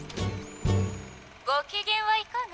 ご機嫌はいかが？